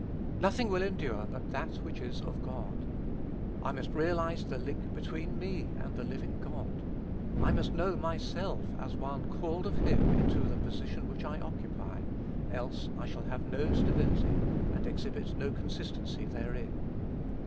Nothing will endure but that which is of God. I must realize the link between me and the living God. I must know myself as one called of him into the position which I occupy, else I shall have no stability, and exhibit no consistency therein.